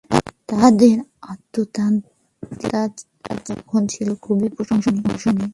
তাঁহাদের আধ্যাত্মিকতা তখন ছিল খুবই প্রশংসনীয়।